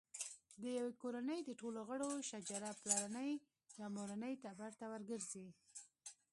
د یوې کورنۍ د ټولو غړو شجره پلرني یا مورني ټبر ته ورګرځي.